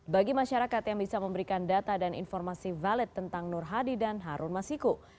bagi masyarakat yang bisa memberikan data dan informasi valid tentang nur hadi dan harun masiku